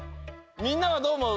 みんなはどうおもう？